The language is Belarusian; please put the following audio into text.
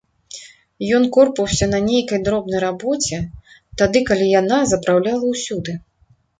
Ён корпаўся на нейкай дробнай рабоце, тады калі яна запраўляла ўсюды.